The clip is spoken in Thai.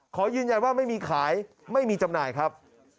ขอยืนยันว่าไม่มีขายไม่มีจำหน่ายครับ